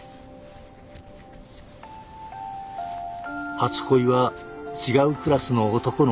初恋は違うクラスの男の子。